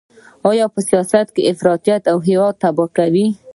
په سیاست کې افراط هېواد تباه کوي.